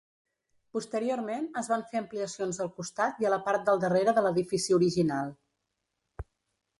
Posteriorment es van fer ampliacions al costat i a la part del darrere de l'edifici original.